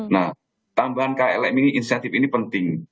nah tambahan klm ini insentif ini penting